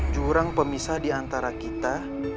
jurang pemisah di antara kita